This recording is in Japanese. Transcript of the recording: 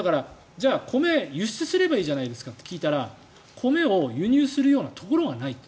米、輸出すればいいじゃないですかと聞いたら米を輸入するようなところがないと。